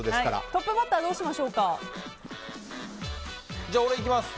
トップバッターはどうしましょうか。